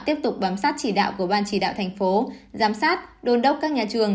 tiếp tục bám sát chỉ đạo của ban chỉ đạo thành phố giám sát đôn đốc các nhà trường